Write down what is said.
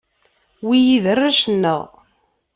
Wiyi d arrac-nneɣ.